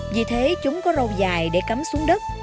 vì thế chúng có lâu dài để cắm xuống đất